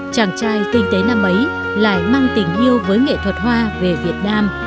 chàng trai kinh tế năm ấy lại mang tình yêu với nghệ thuật hoa về việt nam